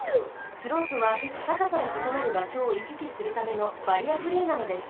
スロープはたかさのことなるばしょをいききするためのバリアフリーなのです。